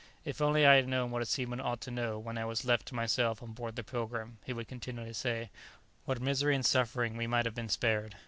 "If only I had known what a seaman ought to know when I was left to myself on board the 'Pilgrim,'" he would continually say, "what misery and suffering we might have been spared!"